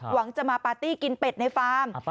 หวังจะมาปาร์ตี้กินเป็ดในฟาร์ม